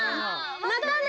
またね！